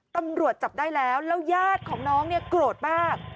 ตำรวจจับได้แล้วแล้วยาดของน้องโกรธมาก